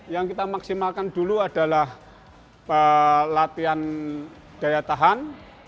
yang kita maksimalkan dulu adalah pelatihan daya tahan